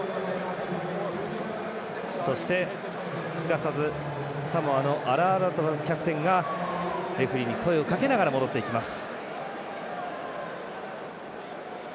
そして、すかさずサモアのアラアラトアキャプテンがレフリーに声をかけながら戻っていきます。